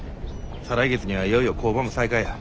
再来月にはいよいよ工場も再開や。